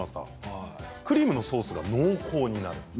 クリームのソースが濃厚になる。